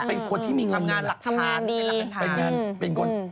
เป็นคนที่มีเงินเงินทำงานดี